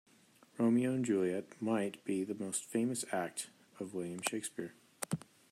Romeo and Juliet might be the most famous act of William Shakespeare.